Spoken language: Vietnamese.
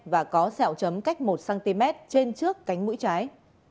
và có sẹo chấm cách một cm trên trước cánh mũi trái